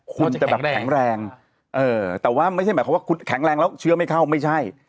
คุณจะแบบแข็งแรงเออแต่ว่าไม่ใช่หมายความว่าคุณแข็งแรงแล้วเชื้อไม่เข้าไม่ใช่